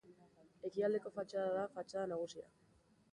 Ekialdeko fatxada da fatxada nagusia.